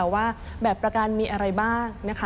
ว่าแบบประกันมีอะไรบ้างนะคะ